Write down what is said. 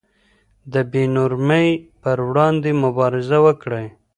د بې نورمۍ پر وړاندې مبارزه وکړئ.